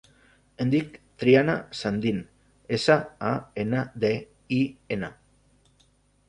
Em dic Triana Sandin: essa, a, ena, de, i, ena.